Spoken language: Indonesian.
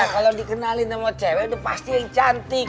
kalo dikenalin sama cewek itu pasti yang cantik